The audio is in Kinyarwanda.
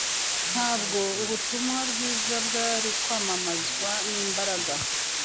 Ntabwo ubutumwa bwiza bwari kwamamazwa n’imbaraga